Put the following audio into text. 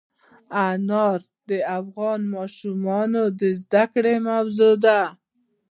انار د افغان ماشومانو د زده کړې موضوع ده.